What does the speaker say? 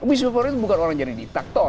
abuse of power itu bukan orang yang jadi diktator